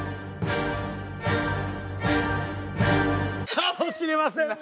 かもしれませんね！